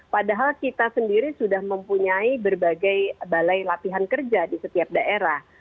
padahal kita sendiri sudah mempunyai berbagai balai latihan kerja di setiap daerah